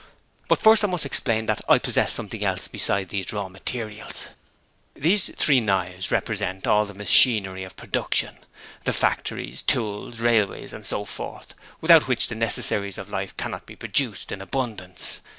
But first I must explain that I possess something else beside the raw materials. These three knives represent all the machinery of production; the factories, tools, railways, and so forth, without which the necessaries of life cannot be produced in abundance.